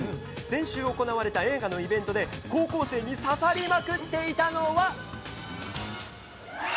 先週行われた映画のイベントで、高校生に刺さりまくっていたのは。